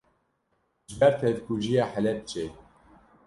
ji ber tevkujiya Helepçê